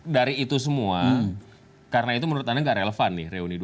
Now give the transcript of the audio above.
dari itu semua karena itu menurut anda tidak relevan nih reuni dua ratus dua belas